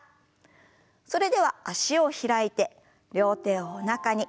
それでは脚を開いて両手をおなかに。